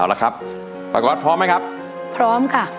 เอาละครับป้าก๊อตพร้อมไหมครับพร้อมค่ะ